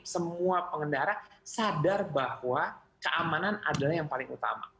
semua pengendara sadar bahwa keamanan adalah yang paling utama